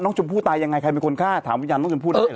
ชมพู่ตายยังไงใครเป็นคนฆ่าถามวิญญาณน้องชมพู่ได้เห